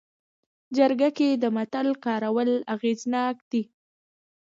جرګه کې د متل کارول اغېزناک دي